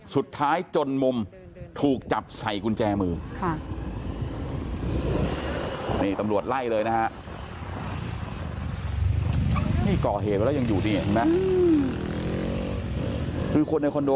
สุดท้ายจนมุมถูกจับใส่กุญแจมือค่ะนี่ตำรวจไล่เลยนะฮะนี่ก่อเหตุแล้วยังอยู่นี่นะคือคนในคอนโด